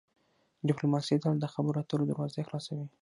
ډیپلوماسي تل د خبرو اترو دروازې خلاصوي.